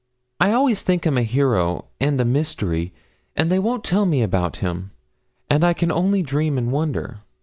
I always think him a hero and a mystery, and they won't tell me about him, and I can only dream and wonder.'